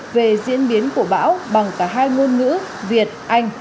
về diễn biến của bão bằng cả hai ngôn ngữ việt anh